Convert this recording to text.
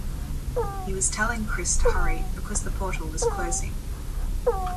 He was telling Chris to hurry because the portal was closing.